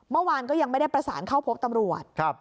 เมื่อวานก็ยังไม่ได้ประสานเข้าพบตำรวจ